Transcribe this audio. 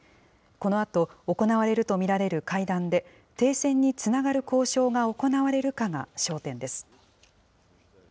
このあと、行われると見られる会談で、停戦につながる交渉が行われるかが焦点です。